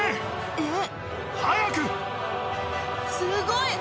えっ？